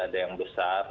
ada yang besar